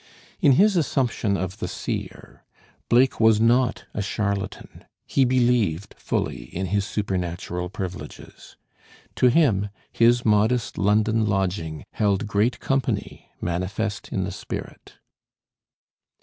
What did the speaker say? In his assumption of the seer, Blake was not a charlatan: he believed fully in his supernatural privileges. To him his modest London lodging held great company, manifest in the spirit.